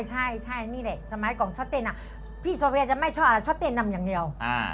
ใช่นี่แหละสมัยก่อนช็อเตียนพี่โซเวย์จะไม่ชอบอะไรช้อเต้นนำอย่างเดียว